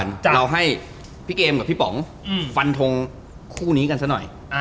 เราให้พี่เกมกับพี่ป๋องฟันทงคู่นี้กันซะหน่อย